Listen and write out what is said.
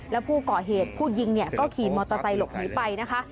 และผู้เกาะเหตุผู้ยิงก็ขี่มอเตอร์ไซล์หลบหนีไป